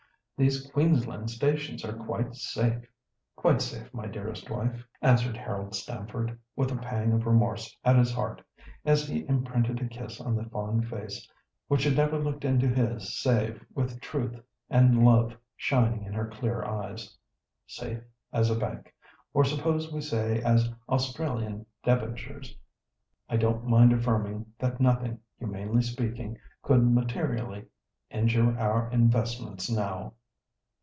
These Queensland stations are quite safe!" "Quite safe, my dearest wife," answered Harold Stamford, with a pang of remorse at his heart, as he imprinted a kiss on the fond face which had never looked into his save with truth and love shining in her clear eyes. "'Safe as a bank,' or suppose we say as Australian debentures. I don't mind affirming that nothing, humanly speaking, could materially injure our investments now."